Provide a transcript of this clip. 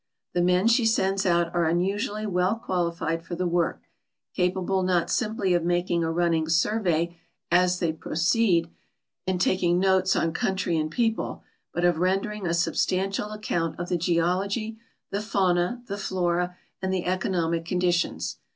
The men she sends out are unusually well qualified for the work, capable not simply of making a run ning survey as they proceed and taking notes on country and people, but of rendering a substantial account of the geology, the fauna, the flora, and the economic conditions.